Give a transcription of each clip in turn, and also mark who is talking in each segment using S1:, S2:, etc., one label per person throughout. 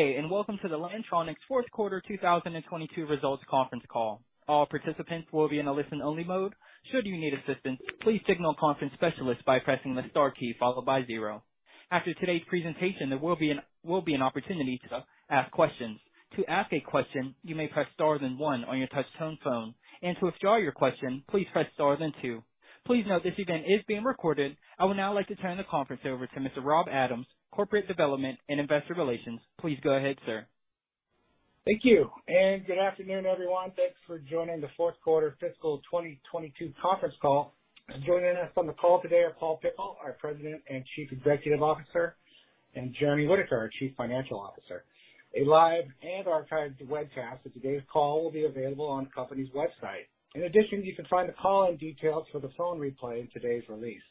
S1: Hey, welcome to the Lantronix fourth quarter 2022 results conference call. All participants will be in a listen-only mode. Should you need assistance, please signal conference specialist by pressing the star key followed by zero. After today's presentation, there will be an opportunity to ask questions. To ask a question, you may press star then one on your touch tone phone. To withdraw your question, please press star then two. Please note this event is being recorded. I would now like to turn the conference over to Mr. Rob Adams, Corporate Development and Investor Relations. Please go ahead, sir.
S2: Thank you, and good afternoon, everyone. Thanks for joining the fourth quarter fiscal 2022 conference call. Joining us on the call today are Paul Pickle, our President and Chief Executive Officer, and Jeremy Whitaker, our Chief Financial Officer. A live and archived webcast of today's call will be available on the company's website. In addition, you can find the call-in details for the phone replay in today's release.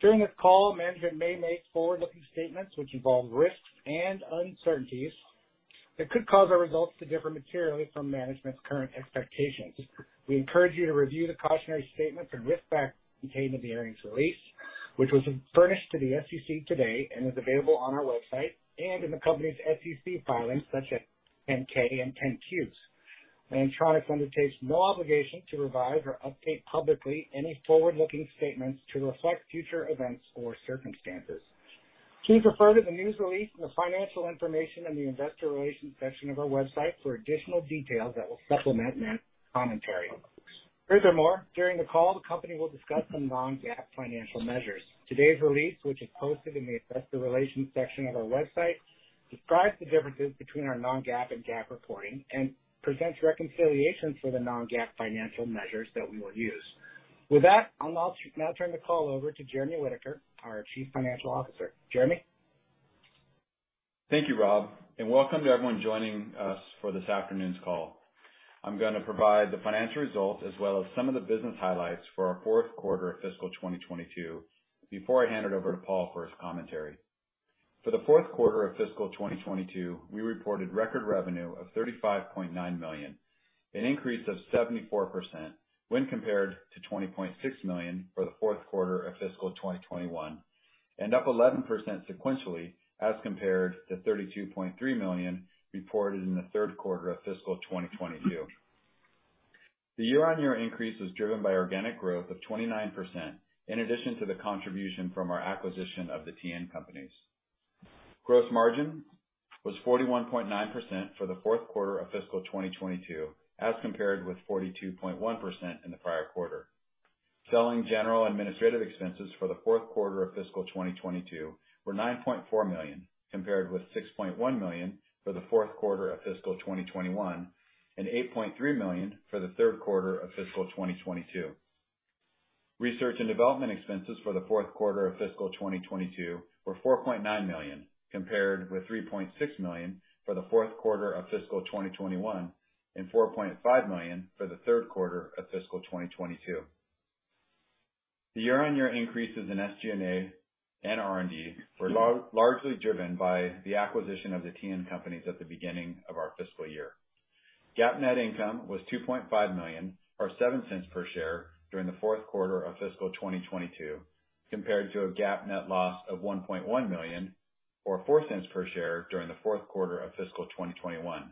S2: During this call, management may make forward-looking statements which involve risks and uncertainties that could cause our results to differ materially from management's current expectations. We encourage you to review the cautionary statements and risk factors contained in the earnings release, which was furnished to the SEC today and is available on our website and in the company's SEC filings, such as 10-K and 10-Qs. Lantronix undertakes no obligation to revise or update publicly any forward-looking statements to reflect future events or circumstances. Please refer to the news release and the financial information in the investor relations section of our website for additional details that will supplement management commentary. Furthermore, during the call, the company will discuss some Non-GAAP financial measures. Today's release, which is posted in the investor relations section of our website, describes the differences between our Non-GAAP and GAAP reporting and presents reconciliations for the Non-GAAP financial measures that we will use. With that, I'll now turn the call over to Jeremy Whitaker, our Chief Financial Officer. Jeremy?
S3: Thank you, Rob, and welcome to everyone joining us for this afternoon's call. I'm gonna provide the financial results as well as some of the business highlights for our fourth quarter of fiscal 2022 before I hand it over to Paul for his commentary. For the fourth quarter of fiscal 2022, we reported record revenue of $35.9 million, an increase of 74% when compared to $20.6 million for the fourth quarter of fiscal 2021, and up 11% sequentially as compared to $32.3 million reported in the third quarter of fiscal 2022. The year-on-year increase was driven by organic growth of 29% in addition to the contribution from our acquisition of the Transition Networks. Gross margin was 41.9% for the fourth quarter of fiscal 2022, as compared with 42.1% in the prior quarter. Selling general administrative expenses for the fourth quarter of fiscal 2022 were $9.4 million, compared with $6.1 million for the fourth quarter of fiscal 2021, and $8.3 million for the third quarter of fiscal 2022. Research and development expenses for the fourth quarter of fiscal 2022 were $4.9 million, compared with $3.6 million for the fourth quarter of fiscal 2021, and $4.5 million for the third quarter of fiscal 2022. The year-on-year increases in SG&A and R&D were largely driven by the acquisition of Transition Networks at the beginning of our fiscal year. GAAP net income was $2.5 million or $0.07 per share during the fourth quarter of fiscal 2022, compared to a GAAP net loss of $1.1 million or ($0.04) per share during the fourth quarter of fiscal 2021.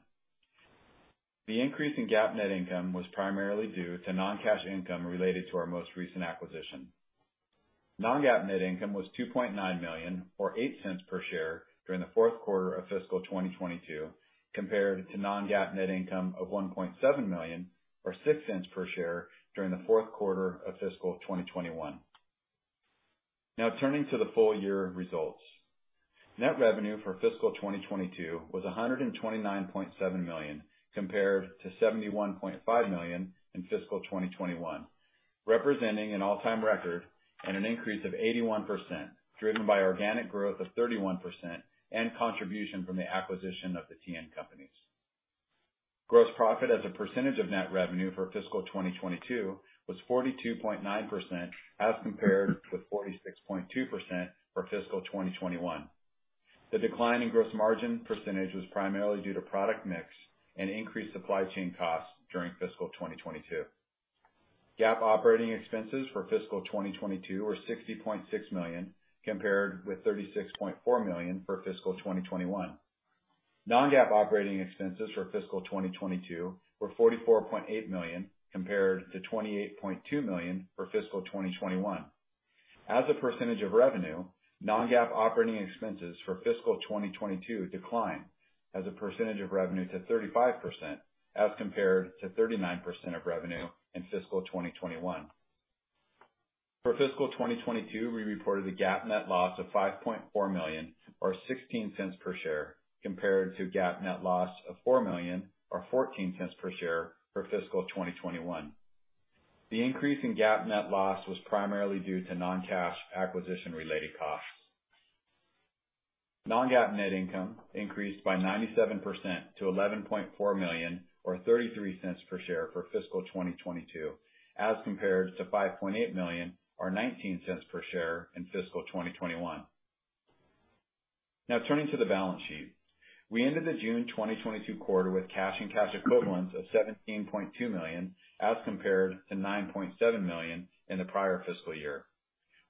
S3: The increase in GAAP net income was primarily due to non-cash income related to our most recent acquisition. Non-GAAP net income was $2.9 million or $0.08 per share during the fourth quarter of fiscal 2022, compared to Non-GAAP net income of $1.7 million or $0.06 per share during the fourth quarter of fiscal 2021. Now turning to the full year results. Net revenue for fiscal 2022 was $129.7 million compared to $71.5 million in fiscal 2021, representing an all-time record and an increase of 81%, driven by organic growth of 31% and contribution from the acquisition of TN Company. Gross profit as a percentage of net revenue for fiscal 2022 was 42.9% as compared to 46.2% for fiscal 2021. The decline in gross margin percentage was primarily due to product mix and increased supply chain costs during fiscal 2022. GAAP operating expenses for fiscal 2022 were $60.6 million, compared with $36.4 million for fiscal 2021. Non-GAAP operating expenses for fiscal 2022 were $44.8 million compared to $28.2 million for fiscal 2021. As a percentage of revenue, Non-GAAP operating expenses for fiscal 2022 declined as a percentage of revenue to 35% as compared to 39% of revenue in fiscal 2021. For fiscal 2022, we reported a GAAP net loss of $5.4 million or $0.16 per share, compared to GAAP net loss of $4 million or $0.14 per share for fiscal 2021. The increase in GAAP net loss was primarily due to non-cash acquisition related costs. Non-GAAP net income increased by 97% to $11.4 million or $0.33 per share for fiscal 2022, as compared to $5.8 million or $0.19 per share in fiscal 2021. Now turning to the balance sheet. We ended the June 2022 quarter with cash and cash equivalents of $17.2 million as compared to $9.7 million in the prior fiscal year.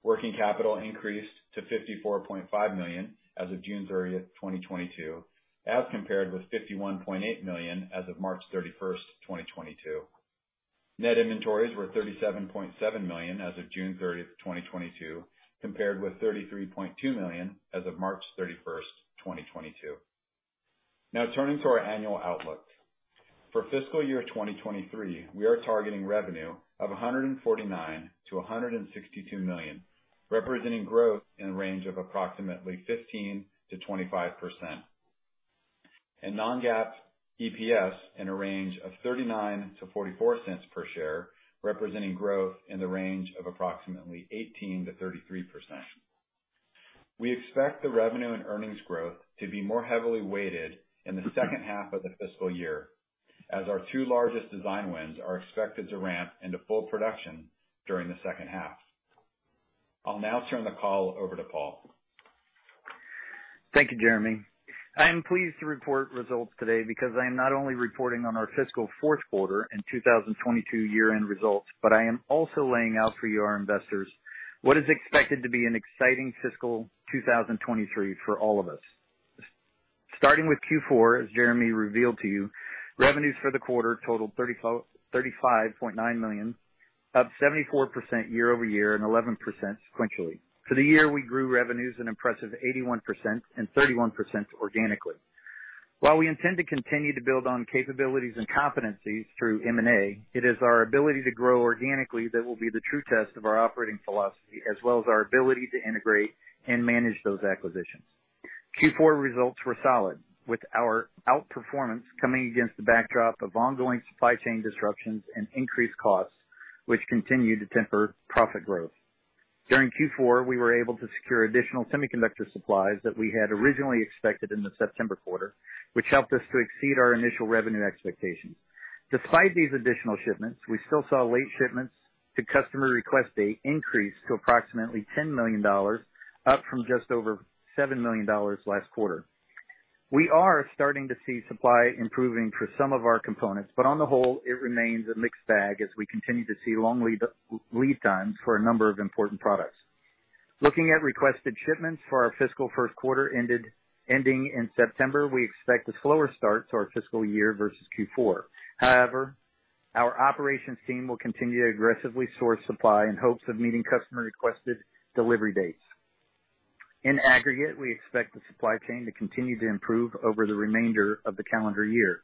S3: Working capital increased to $54.5 million as of June 30th, 2022, as compared with $51.8 million as of March 31st, 2022. Net inventories were $37.7 million as of June 30th, 2022, compared with $33.2 million as of March 31st, 2022. Now turning to our annual outlook. For fiscal year 2023, we are targeting revenue of $149 million-$162 million, representing growth in the range of approximately 15%-25%. Non-GAAP EPS in a range of $0.39-$0.44 per share, representing growth in the range of approximately 18%-33%. We expect the revenue and earnings growth to be more heavily weighted in the second half of the fiscal year, as our two largest design wins are expected to ramp into full production during the second half. I'll now turn the call over to Paul.
S4: Thank you, Jeremy. I am pleased to report results today because I am not only reporting on our fiscal fourth quarter and 2022 year-end results, but I am also laying out for you, our investors, what is expected to be an exciting fiscal 2023 for all of us. Starting with Q4, as Jeremy revealed to you, revenues for the quarter totaled $35.9 million, up 74% year-over-year and 11% sequentially. For the year, we grew revenues an impressive 81% and 31% organically. While we intend to continue to build on capabilities and competencies through M&A, it is our ability to grow organically that will be the true test of our operating philosophy as well as our ability to integrate and manage those acquisitions. Q4 results were solid, with our outperformance coming against the backdrop of ongoing supply chain disruptions and increased costs, which continued to temper profit growth. During Q4, we were able to secure additional semiconductor supplies that we had originally expected in the September quarter, which helped us to exceed our initial revenue expectations. Despite these additional shipments, we still saw late shipments to customer request date increase to approximately $10 million, up from just over $7 million last quarter. We are starting to see supply improving for some of our components, but on the whole, it remains a mixed bag as we continue to see long lead times for a number of important products. Looking at requested shipments for our fiscal first quarter ending in September, we expect a slower start to our fiscal year versus Q4. However, our operations team will continue to aggressively source supply in hopes of meeting customer-requested delivery dates. In aggregate, we expect the supply chain to continue to improve over the remainder of the calendar year.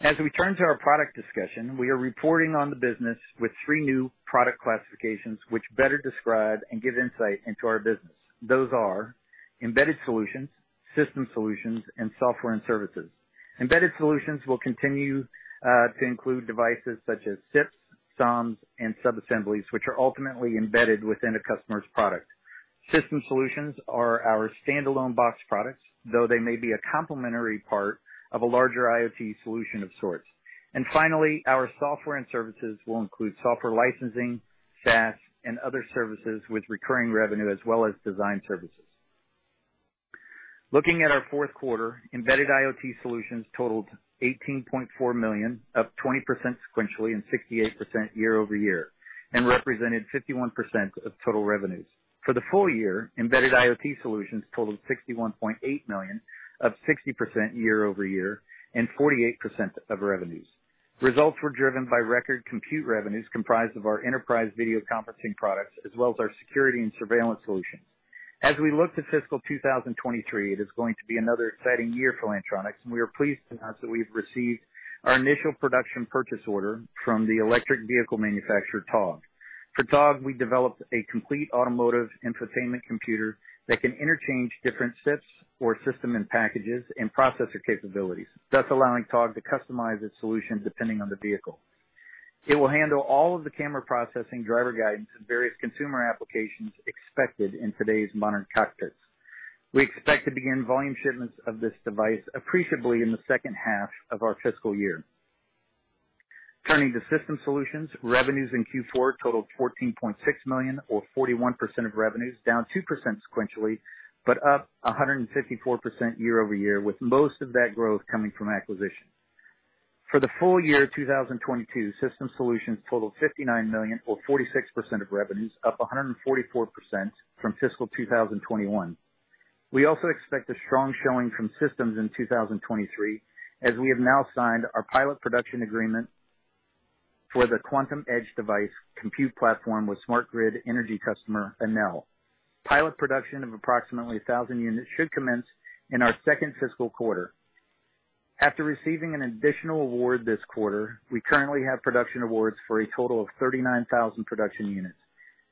S4: As we turn to our product discussion, we are reporting on the business with three new product classifications which better describe and give insight into our business. Those are embedded solutions, system solutions, and software and services. Embedded solutions will continue to include devices such as SiP, SOMs, and sub-assemblies, which are ultimately embedded within a customer's product. System solutions are our standalone box products, though they may be a complementary part of a larger IoT solution of sorts. Finally, our software and services will include software licensing, SaaS, and other services with recurring revenue as well as design services. Looking at our fourth quarter, embedded IoT solutions totaled $18.4 million, up 20% sequentially and 68% year-over-year, and represented 51% of total revenues. For the full year, embedded IoT solutions totaled $61.8 million, up 60% year-over-year and 48% of revenues. Results were driven by record compute revenues comprised of our enterprise video conferencing products, as well as our security and surveillance solutions. As we look to fiscal 2023, it is going to be another exciting year for Lantronix, and we are pleased to announce that we've received our initial production purchase order from the electric vehicle manufacturer, Togg. For Togg, we developed a complete automotive infotainment computer that can interchange different SiP or system-in-packages and processor capabilities, thus allowing Togg to customize its solution depending on the vehicle. It will handle all of the camera processing, driver guidance, and various consumer applications expected in today's modern cockpits. We expect to begin volume shipments of this device appreciably in the second half of our fiscal year. Turning to system solutions, revenues in Q4 totaled $14.6 million or 41% of revenues, down 2% sequentially, but up 154% year-over-year, with most of that growth coming from acquisitions. For the full year 2022, system solutions totaled $59 million or 46% of revenues, up 144% from fiscal 2021. We also expect a strong showing from systems in 2023, as we have now signed our pilot production agreement for the Quantum Edge device compute platform with smart grid energy customer Enel. Pilot production of approximately 1,000 units should commence in our second fiscal quarter. After receiving an additional award this quarter, we currently have production awards for a total of 39,000 production units.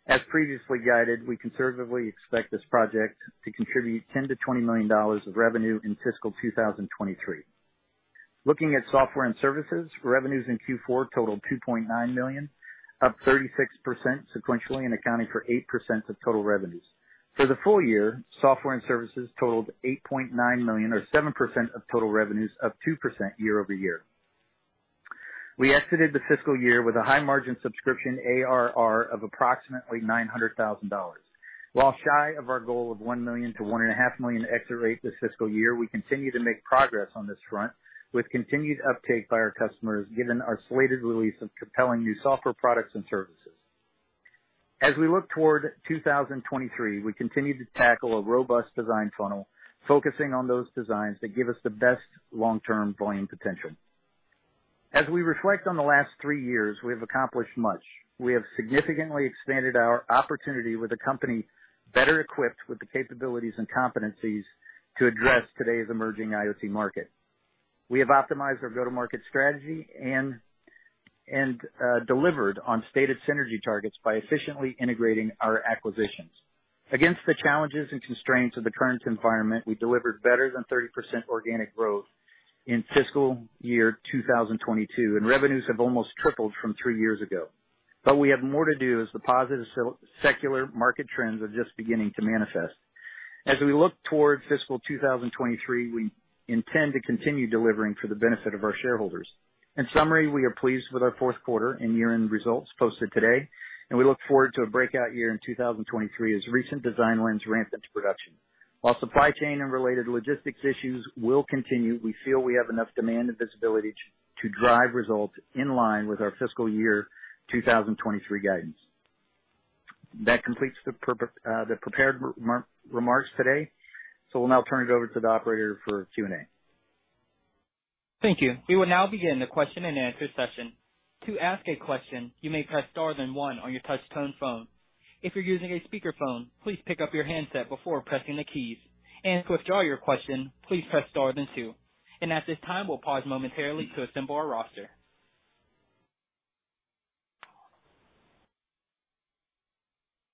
S4: As previously guided, we conservatively expect this project to contribute $10-$20 million of revenue in fiscal 2023. Looking at software and services, revenues in Q4 totaled $2.9 million, up 36% sequentially and accounting for 8% of total revenues. For the full year, software and services totaled $8.9 million, or 7% of total revenues, up 2% year-over-year. We exited the fiscal year with a high margin subscription ARR of approximately $900,000. While shy of our goal of $1 million-$1.5 million exit rate this fiscal year, we continue to make progress on this front with continued uptake by our customers, given our slated release of compelling new software products and services. As we look toward 2023, we continue to tackle a robust design funnel, focusing on those designs that give us the best long-term volume potential. As we reflect on the last three years, we have accomplished much. We have significantly expanded our opportunity with a company better equipped with the capabilities and competencies to address today's emerging IoT market. We have optimized our go-to-market strategy and delivered on stated synergy targets by efficiently integrating our acquisitions. Against the challenges and constraints of the current environment, we delivered better than 30% organic growth in fiscal year 2022, and revenues have almost tripled from three years ago. We have more to do as the positive secular market trends are just beginning to manifest. As we look towards fiscal 2023, we intend to continue delivering for the benefit of our shareholders. In summary, we are pleased with our fourth quarter and year-end results posted today, and we look forward to a breakout year in 2023 as recent design wins ramp into production. While supply chain and related logistics issues will continue, we feel we have enough demand and visibility to drive results in line with our fiscal year 2023 guidance. That completes the prepared remarks today. We'll now turn it over to the operator for Q&A.
S1: Thank you. We will now begin the question-and-answer session. To ask a question, you may press star then one on your touchtone phone. If you're using a speakerphone, please pick up your handset before pressing the keys. To withdraw your question, please press star then two. At this time, we'll pause momentarily to assemble our roster.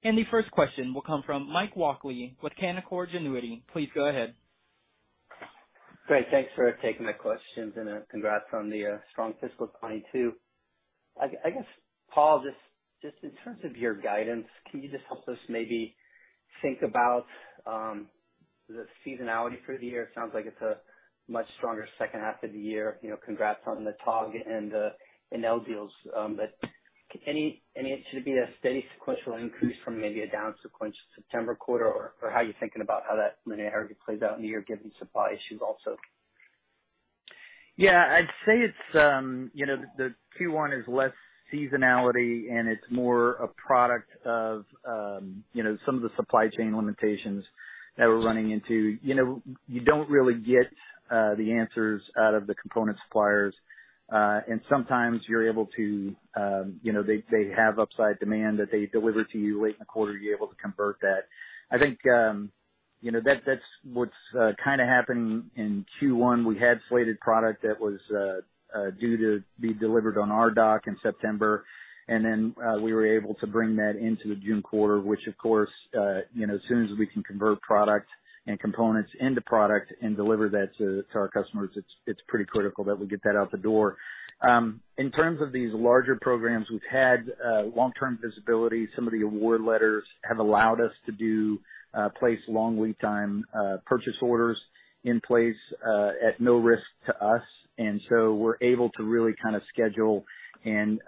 S1: The first question will come from Mike Walkley with Canaccord Genuity. Please go ahead.
S5: Great. Thanks for taking my questions and congrats on the strong fiscal 2022. I guess, Paul, just in terms of your guidance, can you just help us maybe think about the seasonality for the year? It sounds like it's a much stronger second half of the year. Congrats on the Togg and Enel deals. Should it be a steady sequential increase from maybe a down sequential September quarter or how are you thinking about how that linearity plays out in the year given supply issues also?
S4: Yeah, I'd say it's you know, the Q1 is less seasonality and it's more a product of you know, some of the supply chain limitations that we're running into. You know, you don't really get the answers out of the component suppliers. Sometimes you're able to you know, they have upside demand that they deliver to you late in the quarter, you're able to convert that. I think you know, that's what's kind of happening in Q1. We had slated product that was due to be delivered on our dock in September, and then we were able to bring that into the June quarter, which of course, you know, as soon as we can convert product and components into product and deliver that to our customers, it's pretty critical that we get that out the door. In terms of these larger programs, we've had long-term visibility. Some of the award letters have allowed us to place long lead time purchase orders in place at no risk to us. We're able to really kind of schedule and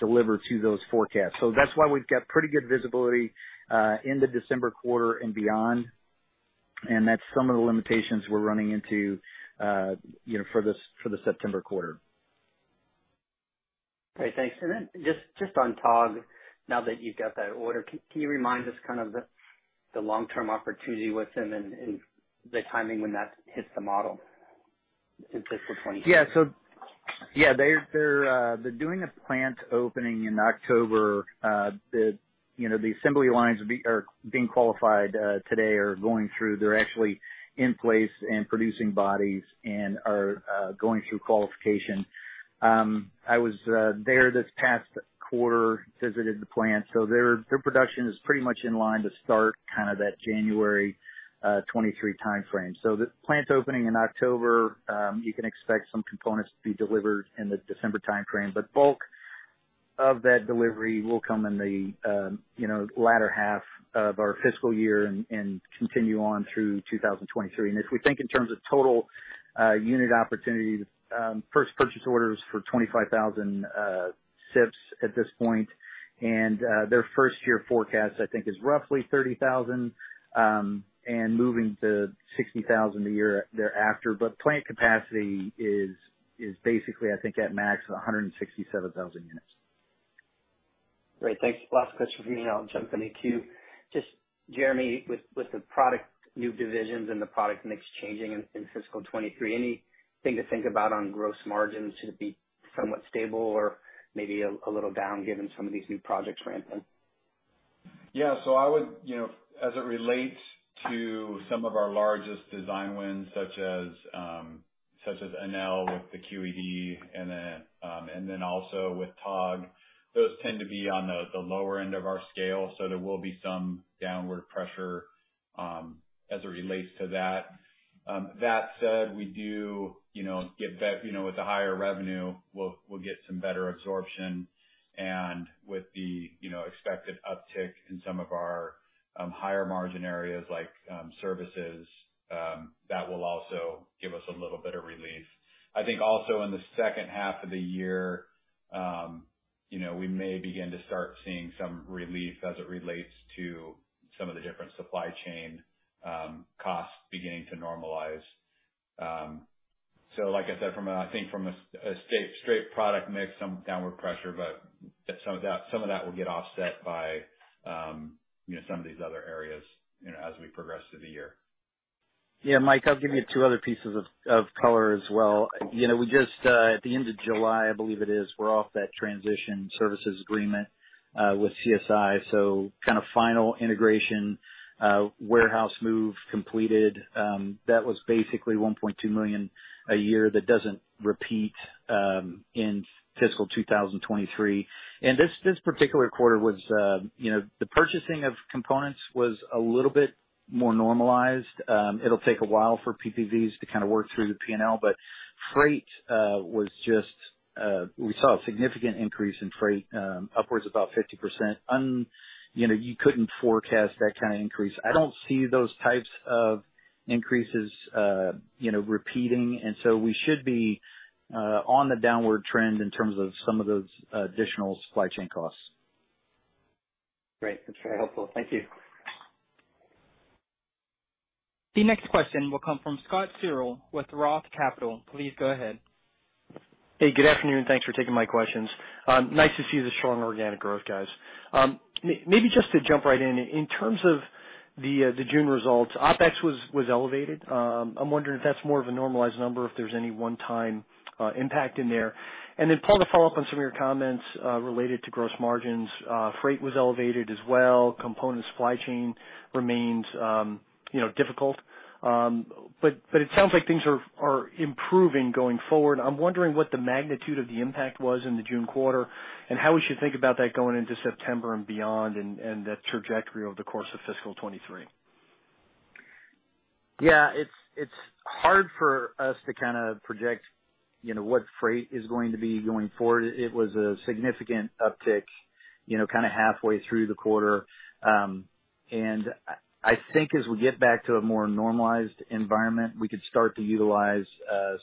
S4: deliver to those forecasts. That's why we've got pretty good visibility in the December quarter and beyond. That's some of the limitations we're running into, you know, for this, for the September quarter.
S5: Okay, thanks. Then just on Togg, now that you've got that order, can you remind us kind of the long-term opportunity with them and the timing when that hits the model in fiscal 2023?
S4: Yeah, they're doing a plant opening in October. The assembly lines are being qualified today and are going through. They're actually in place and producing bodies and are going through qualification. I was there this past quarter, visited the plant. Their production is pretty much in line to start kind of that January 2023 timeframe. The plant's opening in October. You can expect some components to be delivered in the December timeframe, but bulk of that delivery will come in the latter half of our fiscal year and continue on through 2023. As we think in terms of total unit opportunity, first purchase order is for 25,000 SiP at this point. Their first-year forecast, I think, is roughly 30,000, and moving to 60,000 the year thereafter. Plant capacity is basically, I think, at max, 167,000 units.
S5: Great. Thanks. Last question for you and then I'll jump into queue, Jeremy. With the product, new divisions and the product mix changing in fiscal 2023, anything to think about on gross margins to be somewhat stable or maybe a little down given some of these new projects ramping?
S4: Yeah. I would, you know, as it relates to some of our largest design wins, such as Enel with the QED and then also with Togg, those tend to be on the lower end of our scale. There will be some downward pressure as it relates to that. That said, we do, you know, with the higher revenue, we'll get some better absorption. With the expected uptick in some of our higher margin areas like services, that will also give us a little bit of relief. I think also in the second half of the year.
S3: You know, we may begin to start seeing some relief as it relates to some of the different supply chain costs beginning to normalize. Like I said, from a straight product mix, some downward pressure, but some of that will get offset by, you know, some of these other areas, you know, as we progress through the year.
S4: Yeah. Mike, I'll give you two other pieces of color as well. You know, we just at the end of July, I believe it is, we're off that transition services agreement with CSI. So kind of final integration warehouse move completed. That was basically $1.2 million a year. That doesn't repeat in fiscal 2023. This particular quarter was, you know, the purchasing of components was a little bit more normalized. It'll take a while for PPVs to kind of work through the P&L, but freight was just we saw a significant increase in freight upwards of about 50%. You know, you couldn't forecast that kind of increase. I don't see those types of increases, you know, repeating, and so we should be on the downward trend in terms of some of those additional supply chain costs.
S5: Great. That's very helpful. Thank you.
S1: The next question will come from Scott Searle with Roth Capital. Please go ahead.
S6: Hey, good afternoon. Thanks for taking my questions. Nice to see the strong organic growth, guys. Maybe just to jump right in. In terms of the June results, OpEx was elevated. I'm wondering if that's more of a normalized number, if there's any one-time impact in there. Paul, to follow up on some of your comments related to gross margins, freight was elevated as well. Component supply chain remains, you know, difficult. But it sounds like things are improving going forward. I'm wondering what the magnitude of the impact was in the June quarter and how we should think about that going into September and beyond, and that trajectory over the course of fiscal 2023.
S4: Yeah, it's hard for us to kinda project, you know, what freight is going to be going forward. It was a significant uptick, you know, kinda halfway through the quarter. I think as we get back to a more normalized environment, we could start to utilize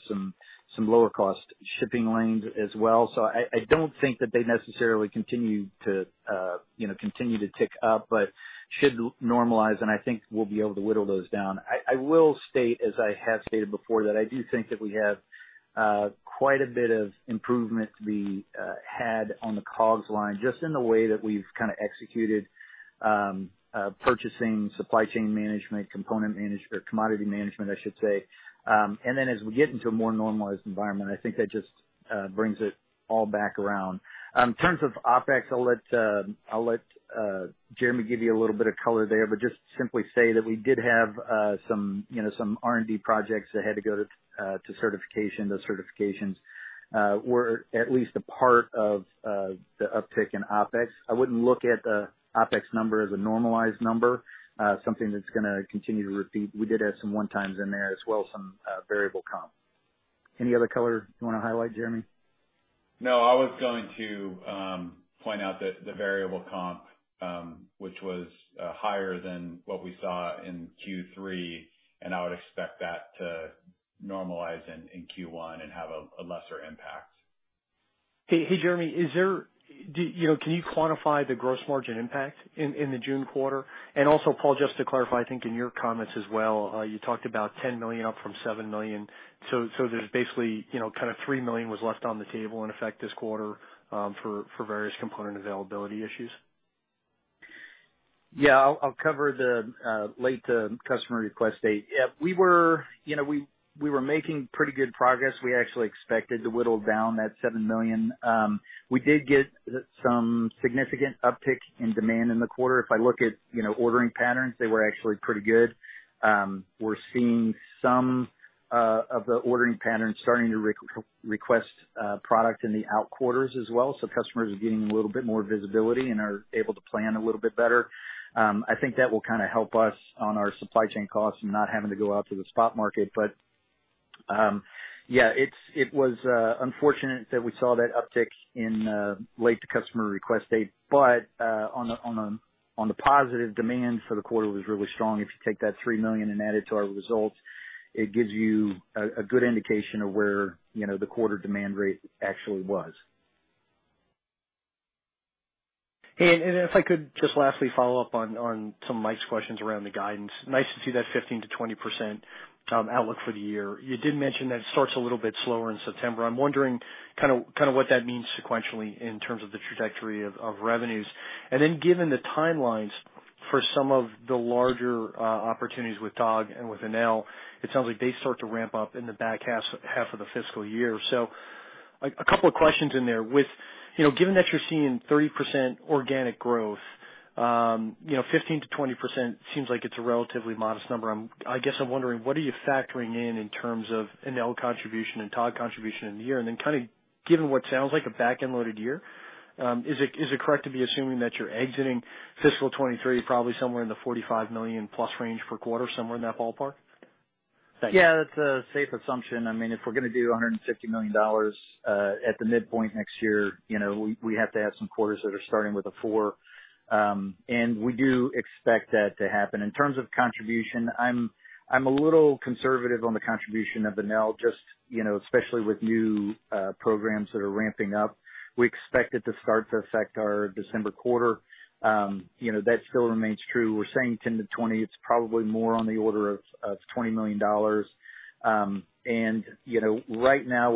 S4: some lower cost shipping lanes as well. I don't think that they necessarily continue to tick up, but should normalize, and I think we'll be able to whittle those down. I will state, as I have stated before, that I do think that we have quite a bit of improvement to be had on the COGS line, just in the way that we've kinda executed purchasing, supply chain management, or commodity management, I should say. As we get into a more normalized environment, I think that just brings it all back around. In terms of OpEx, I'll let Jeremy give you a little bit of color there, but just simply say that we did have some, you know, some R&D projects that had to go to certification. Those certifications were at least a part of the uptick in OpEx. I wouldn't look at the OpEx number as a normalized number, something that's gonna continue to repeat. We did have some one times in there as well, some variable comp. Any other color you wanna highlight, Jeremy?
S3: No, I was going to point out the variable comp, which was higher than what we saw in Q3, and I would expect that to normalize in Q1 and have a lesser impact.
S6: Hey, Jeremy, can you quantify the gross margin impact in the June quarter? Also, Paul, just to clarify, I think in your comments as well, you talked about $10 million up from $7 million. There's basically, you know, kinda $3 million was left on the table in effect this quarter, for various component availability issues.
S4: Yeah. I'll cover the late customer request date. Yeah, we were making pretty good progress. We actually expected to whittle down that $7 million. We did get some significant uptick in demand in the quarter. If I look at, you know, ordering patterns, they were actually pretty good. We're seeing some of the ordering patterns starting to request product in the out quarters as well. So customers are getting a little bit more visibility and are able to plan a little bit better. I think that will kinda help us on our supply chain costs and not having to go out to the spot market. It was unfortunate that we saw that uptick in late to customer request date, but on the positive, demand for the quarter was really strong. If you take that $3 million and add it to our results, it gives you a good indication of where, you know, the quarter demand rate actually was.
S6: If I could just lastly follow up on some of Mike's questions around the guidance. Nice to see that 15%-20% outlook for the year. You did mention that it starts a little bit slower in September. I'm wondering kinda what that means sequentially in terms of the trajectory of revenues. Given the timelines for some of the larger opportunities with Togg and with Enel, it sounds like they start to ramp up in the back half of the fiscal year. A couple of questions in there. With you know given that you're seeing 30% organic growth, you know, 15%-20% seems like it's a relatively modest number. I guess I'm wondering what are you factoring in in terms of Enel contribution and Togg contribution in the year? Kinda given what sounds like a back-end-loaded year, is it correct to be assuming that you're exiting fiscal 2023 probably somewhere in the $45 million+ range per quarter, somewhere in that ballpark?
S4: Yeah, that's a safe assumption. I mean, if we're gonna do $150 million at the midpoint next year, you know, we have to have some quarters that are starting with a four. We do expect that to happen. In terms of contribution, I'm a little conservative on the contribution of Enel, just, you know, especially with new programs that are ramping up. We expect it to start to affect our December quarter. You know, that still remains true. We're saying $10-$20 million. It's probably more on the order of $20 million. You know, right now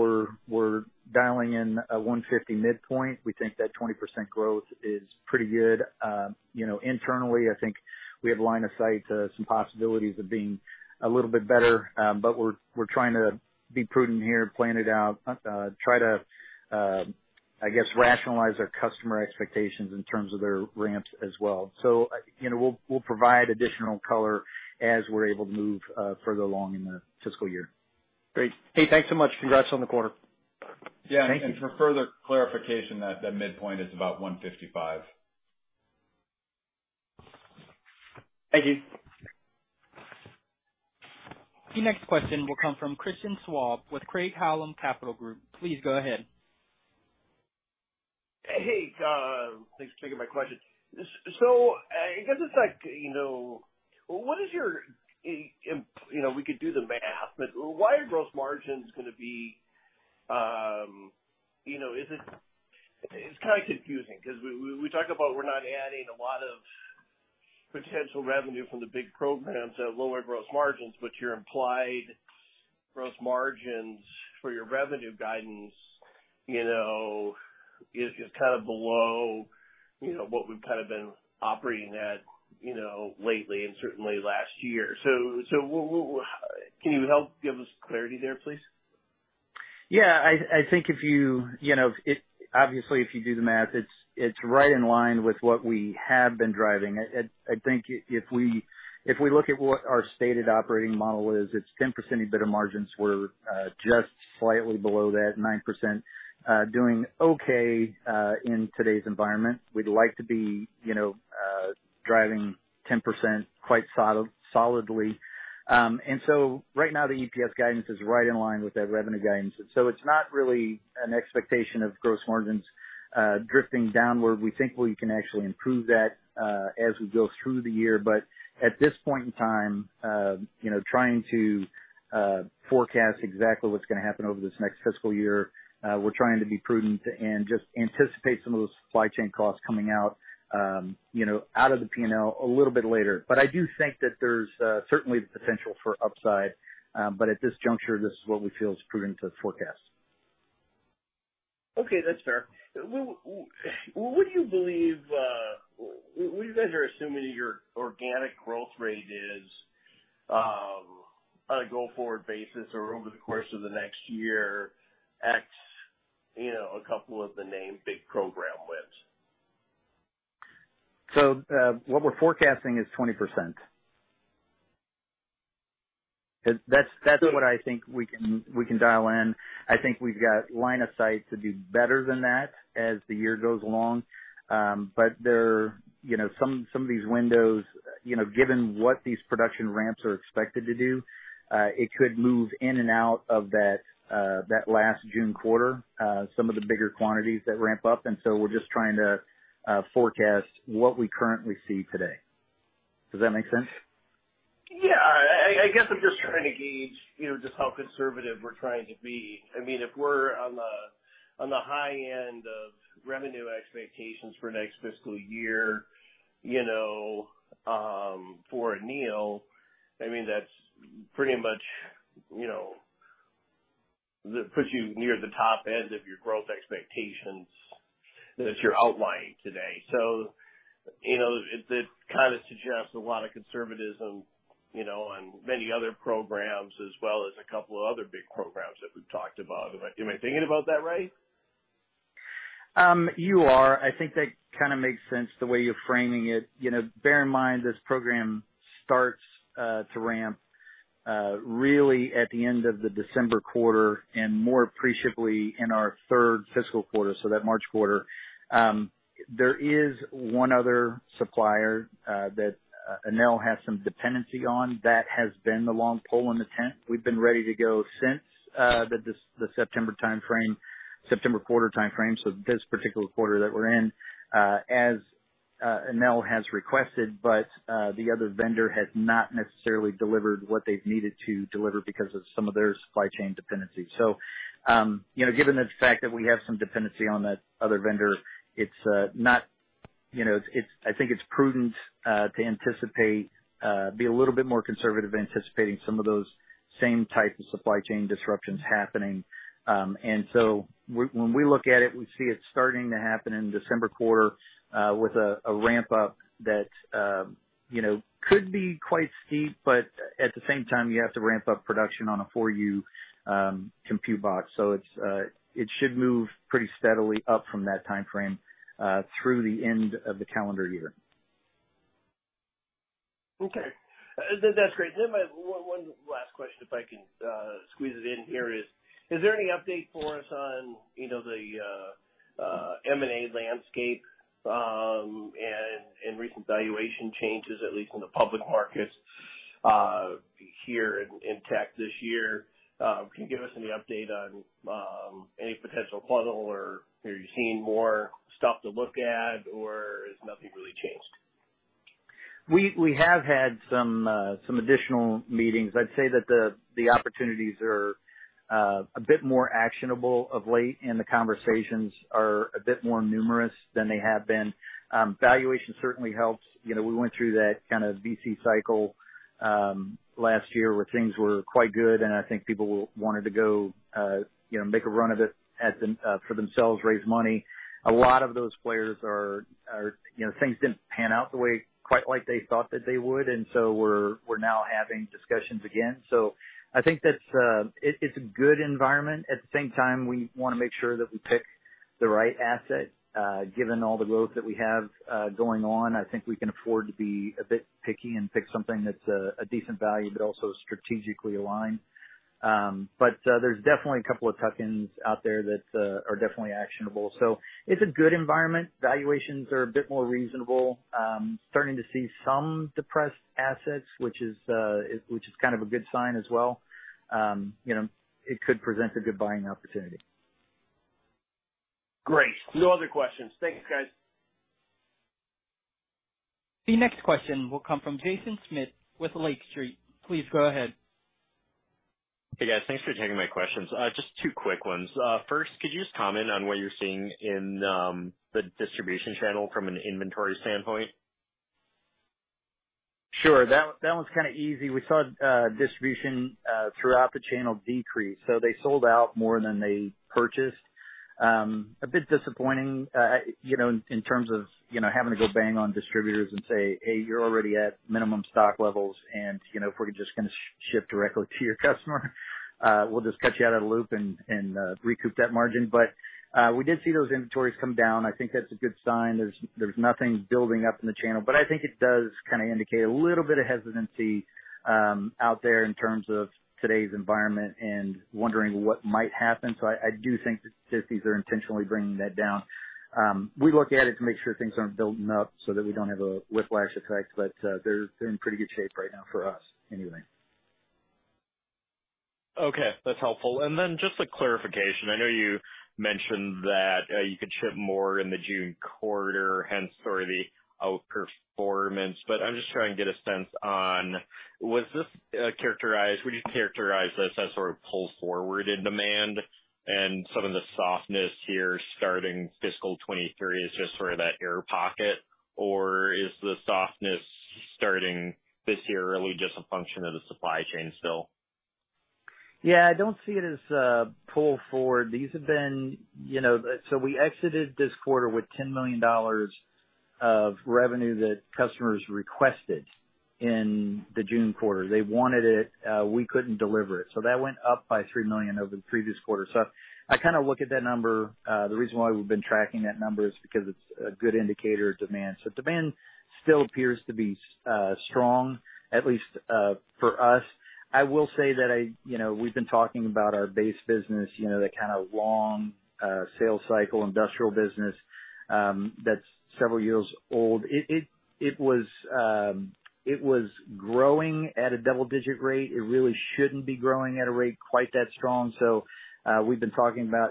S4: we're dialing in a $150 midpoint. We think that 20% growth is pretty good. You know, internally, I think we have line of sight to some possibilities of being a little bit better. We're trying to be prudent here and plan it out, try to, I guess rationalize our customer expectations in terms of their ramps as well. You know, we'll provide additional color as we're able to move further along in the fiscal year.
S6: Great. Hey, thanks so much. Congrats on the quarter.
S4: Thank you.
S3: Yeah, for further clarification, that midpoint is about $155.
S6: Thank you.
S1: The next question will come from Christian Schwab with Craig-Hallum Capital Group. Please go ahead.
S7: Hey, thanks for taking my question. So I guess it's like, you know, what is your implied, you know, we could do the math, but why are gross margins gonna be, you know. It's kind of confusing because we talk about we're not adding a lot of potential revenue from the big programs that have lower gross margins, but your implied gross margins for your revenue guidance, you know, is kind of below, you know, what we've kind of been operating at, you know, lately and certainly last year. So can you help give us clarity there, please?
S4: Yeah. I think if you know, it, obviously, if you do the math, it's right in line with what we have been driving. I think if we look at what our stated operating model is, it's 10% EBITDA margins. We're just slightly below that, 9%. Doing okay in today's environment. We'd like to be, you know, driving 10% quite solidly. Right now, the EPS guidance is right in line with that revenue guidance. It's not really an expectation of gross margins drifting downward. We think we can actually improve that as we go through the year. At this point in time, you know, trying to forecast exactly what's gonna happen over this next fiscal year, we're trying to be prudent and just anticipate some of those supply chain costs coming out, you know, out of the P&L a little bit later. I do think that there's certainly the potential for upside. At this juncture, this is what we feel is prudent to forecast.
S7: Okay, that's fair. What do you believe you guys are assuming your organic growth rate is on a go forward basis or over the course of the next year ex, you know, a couple of the named big program wins?
S4: What we're forecasting is 20%. That's what I think we can dial in. I think we've got line of sight to do better than that as the year goes along. There, you know, some of these windows, you know, given what these production ramps are expected to do, it could move in and out of that last June quarter, some of the bigger quantities that ramp up. We're just trying to forecast what we currently see today. Does that make sense?
S7: Yeah. I guess I'm just trying to gauge, you know, just how conservative we're trying to be. I mean, if we're on the high end of revenue expectations for next fiscal year, you know, for Enel, I mean, that's pretty much, you know, that puts you near the top end of your growth expectations that you're outlining today. You know, it kind of suggests a lot of conservatism, you know, on many other programs as well as a couple of other big programs that we've talked about. Am I thinking about that right?
S4: You are. I think that kind of makes sense the way you're framing it. You know, bear in mind this program starts to ramp really at the end of the December quarter and more appreciably in our third fiscal quarter, so that March quarter. There is one other supplier that Enel has some dependency on that has been the long pole in the tent. We've been ready to go since the September quarter timeframe, so this particular quarter that we're in, as Enel has requested, but the other vendor has not necessarily delivered what they've needed to deliver because of some of their supply chain dependencies. Given the fact that we have some dependency on that other vendor, you know, it's not, you know, I think it's prudent to anticipate being a little bit more conservative in anticipating some of those same type of supply chain disruptions happening. When we look at it, we see it starting to happen in the December quarter with a ramp-up that, you know, could be quite steep, but at the same time, you have to ramp up production on a 4U compute box. It should move pretty steadily up from that timeframe through the end of the calendar year.
S7: Okay. That's great. My one last question, if I can squeeze it in here, is there any update for us on, you know, the- M&A landscape, and recent valuation changes, at least in the public markets, here in tech this year. Can you give us any update on any potential puzzle or are you seeing more stuff to look at, or has nothing really changed?
S4: We have had some additional meetings. I'd say that the opportunities are a bit more actionable of late, and the conversations are a bit more numerous than they have been. Valuation certainly helps. You know, we went through that kind of BC cycle last year where things were quite good and I think people wanted to go, you know, make a run of it for themselves, raise money. A lot of those players are, you know, things didn't pan out the way quite like they thought that they would, and so we're now having discussions again. I think that's it's a good environment. At the same time, we wanna make sure that we pick the right asset. Given all the growth that we have going on, I think we can afford to be a bit picky and pick something that's a decent value, but also strategically aligned. There's definitely a couple of tuck-ins out there that are definitely actionable. It's a good environment. Valuations are a bit more reasonable. Starting to see some depressed assets, which is kind of a good sign as well. You know, it could present a good buying opportunity.
S7: Great. No other questions. Thank you, guys.
S1: The next question will come from Jaeson Schmidt with Lake Street. Please go ahead.
S8: Hey, guys. Thanks for taking my questions. Just two quick ones. First, could you just comment on what you're seeing in the distribution channel from an inventory standpoint?
S4: Sure. That one's kinda easy. We saw distribution throughout the channel decrease, so they sold out more than they purchased. A bit disappointing, you know, in terms of, you know, having to go bang on distributors and say, "Hey, you're already at minimum stock levels, and, you know, if we're just gonna ship directly to your customer, we'll just cut you out of the loop and recoup that margin." We did see those inventories come down. I think that's a good sign. There's nothing building up in the channel, but I think it does kinda indicate a little bit of hesitancy out there in terms of today's environment and wondering what might happen. I do think that these are intentionally bringing that down. We look at it to make sure things aren't building up so that we don't have a whiplash effect, but they're in pretty good shape right now for us anyway.
S8: Okay, that's helpful. Just a clarification. I know you mentioned that you could ship more in the June quarter, hence sort of the outperformance, but I'm just trying to get a sense on. Would you characterize this as sort of pull-forwarded demand and some of the softness here starting fiscal 2023 is just sort of that air pocket? Or is the softness starting this year really just a function of the supply chain still?
S4: Yeah, I don't see it as a pull forward. These have been, you know. We exited this quarter with $10 million of revenue that customers requested in the June quarter. They wanted it, we couldn't deliver it. That went up by $3 million over the previous quarter. I kinda look at that number, the reason why we've been tracking that number is because it's a good indicator of demand. Demand still appears to be strong, at least for us. I will say that I, you know, we've been talking about our base business, you know, that kind of long sales cycle industrial business, that's several years old. It was growing at a double-digit rate. It really shouldn't be growing at a rate quite that strong. We've been talking about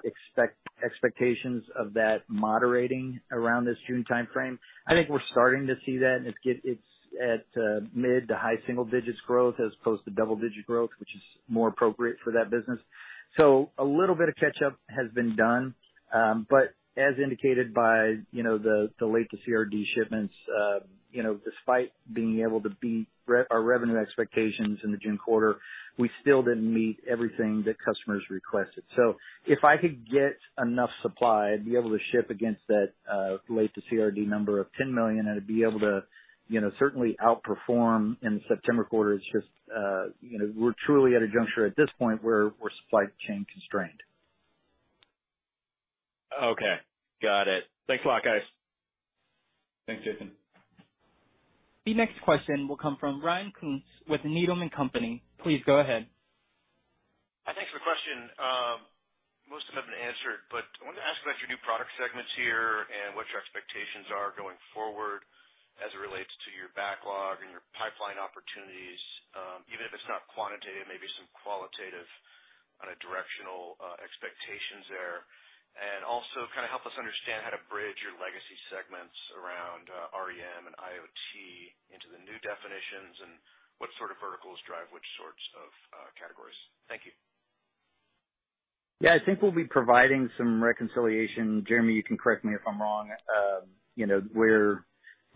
S4: expectations of that moderating around this June timeframe. I think we're starting to see that, and it's at mid- to high-single-digits growth as opposed to double-digit growth, which is more appropriate for that business. A little bit of catch-up has been done. As indicated by, you know, the late to CRD shipments, you know, despite being able to beat our revenue expectations in the June quarter, we still didn't meet everything that customers requested. If I could get enough supply, I'd be able to ship against that late to CRD number of 10 million. I'd be able to, you know, certainly outperform in the September quarter. It's just, you know, we're truly at a juncture at this point where we're supply chain constrained.
S8: Okay. Got it. Thanks a lot, guys.
S4: Thanks, Jaeson.
S1: The next question will come from Ryan Koontz with Needham & Company. Please go ahead.
S9: Thanks for the question. Most of them have been answered, but I wanted to ask about your new product segments here and what your expectations are going forward as it relates to your backlog and your pipeline opportunities, even if it's not quantitative, maybe some qualitative on a directional expectations there. Also kind of help us understand how to bridge your legacy segments around, REM and IoT into the new definitions and what sort of verticals drive which sorts of categories. Thank you.
S4: Yeah. I think we'll be providing some reconciliation. Jeremy, you can correct me if I'm wrong. You know,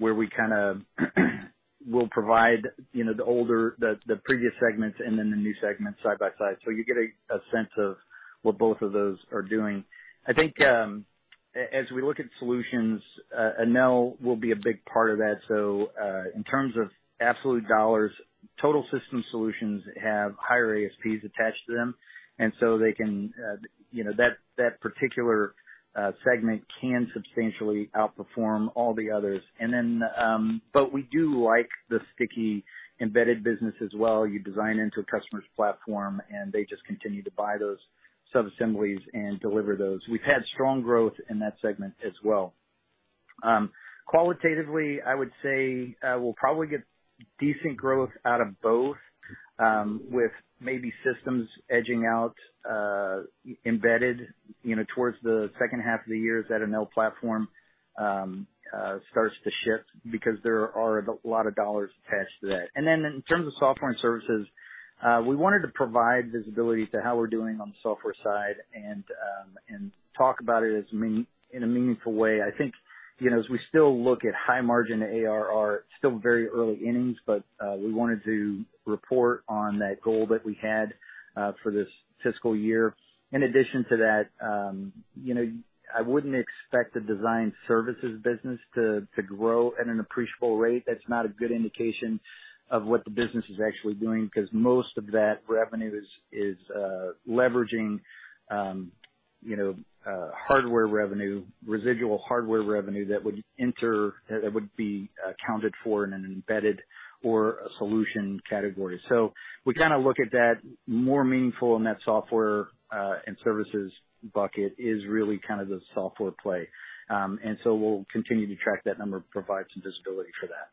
S4: we kind of will provide you know the older the previous segments and then the new segments side by side, so you get a sense of what both of those are doing. I think, as we look at solutions, Enel will be a big part of that. So, in terms of absolute dollars, total system solutions have higher ASPs attached to them, and so they can that particular segment can substantially outperform all the others. We do like the sticky embedded business as well. You design into a customer's platform, and they just continue to buy those sub-assemblies and deliver those. We've had strong growth in that segment as well. Qualitatively, I would say we'll probably get decent growth out of both, with maybe systems edging out embedded, you know, towards the second half of the year as that NL platform starts to shift because there are a lot of dollars attached to that. Then in terms of software and services, we wanted to provide visibility to how we're doing on the software side and talk about it in a meaningful way. I think, you know, as we still look at high margin ARR, still very early innings, but we wanted to report on that goal that we had for this fiscal year. In addition to that, you know, I wouldn't expect the design services business to grow at an appreciable rate. That's not a good indication of what the business is actually doing, 'cause most of that revenue is leveraging hardware revenue, residual hardware revenue that would be accounted for in an embedded or a solution category. We kind of look at that more meaningful in that software and services bucket is really kind of the software play. We'll continue to track that number and provide some visibility for that.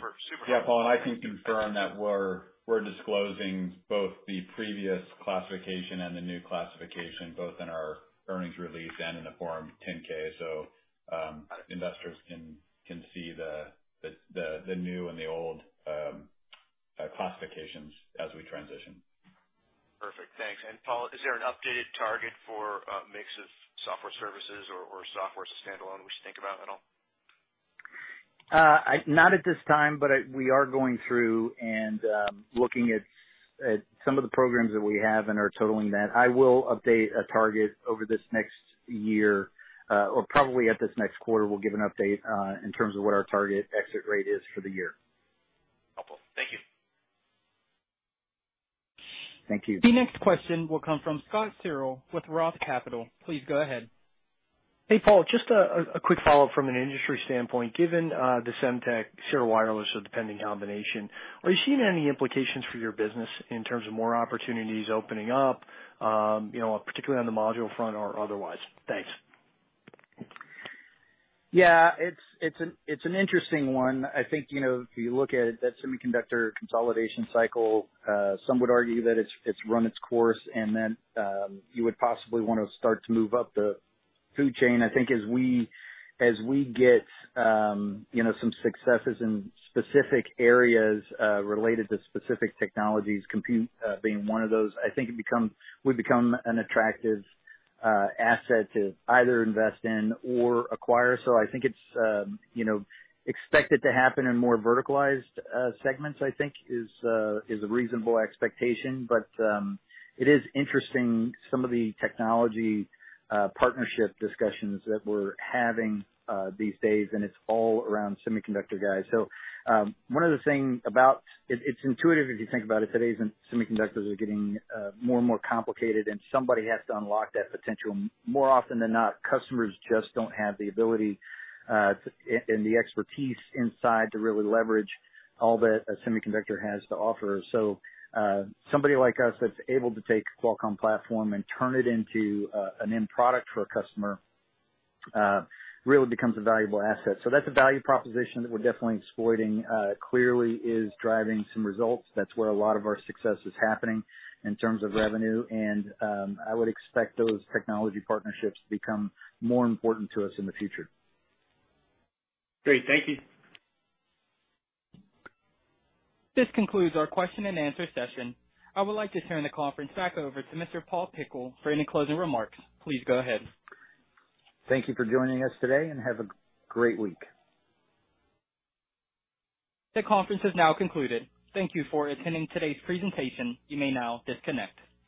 S9: For Super Micro.
S3: Yeah, Paul, and I can confirm that we're disclosing both the previous classification and the new classification, both in our earnings release and in the Form 10-K. Investors can see the new and the old classifications as we transition.
S9: Perfect. Thanks. Paul, is there an updated target for a mix of software services or software standalone we should think about at all?
S4: Not at this time, but we are going through and looking at some of the programs that we have and are totaling that. I will update a target over this next year, or probably at this next quarter, we'll give an update, in terms of what our target exit rate is for the year.
S9: Awesome. Thank you.
S4: Thank you.
S1: The next question will come from Scott Searle with Roth Capital. Please go ahead.
S6: Hey, Paul. Just a quick follow-up from an industry standpoint. Given the Semtech Sierra Wireless or the pending combination, are you seeing any implications for your business in terms of more opportunities opening up, you know, particularly on the module front or otherwise? Thanks.
S4: Yeah, it's an interesting one. I think, you know, if you look at it, that semiconductor consolidation cycle, some would argue that it's run its course, and then, you would possibly wanna start to move up the food chain. I think as we get, you know, some successes in specific areas, related to specific technologies, compute, being one of those, I think we become an attractive asset to either invest in or acquire. I think it's, you know, expect it to happen in more verticalized segments, I think is a reasonable expectation. It is interesting, some of the technology partnership discussions that we're having, these days, and it's all around semiconductor guys. One other thing about... It's intuitive if you think about it, today's semiconductors are getting more and more complicated and somebody has to unlock that potential. More often than not, customers just don't have the ability and the expertise inside to really leverage all that a semiconductor has to offer. Somebody like us that's able to take Qualcomm platform and turn it into an end product for a customer really becomes a valuable asset. That's a value proposition that we're definitely exploiting, clearly is driving some results. That's where a lot of our success is happening in terms of revenue. I would expect those technology partnerships to become more important to us in the future.
S6: Great. Thank you.
S1: This concludes our question and answer session. I would like to turn the conference back over to Mr. Paul Pickle for any closing remarks. Please go ahead.
S4: Thank you for joining us today, and have a great week.
S1: The conference is now concluded. Thank you for attending today's presentation. You may now disconnect.